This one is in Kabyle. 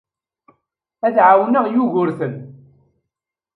Ad ɛawneɣ Yugurten.